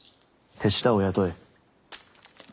手下を雇え。